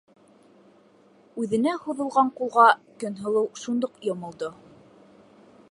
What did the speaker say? - Үҙенә һуҙылған ҡулға Көнһылыу шундуҡ йомолдо.